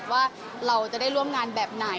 ว่าเราจะได้ร่วมงานแบบไหน